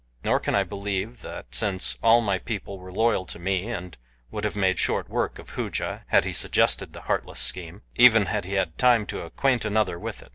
Nor can I believe that, since all my people were loyal to me and would have made short work of Hooja had he suggested the heartless scheme, even had he had time to acquaint another with it.